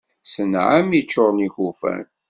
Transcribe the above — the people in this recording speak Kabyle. S nnɛami ččuren ikufan.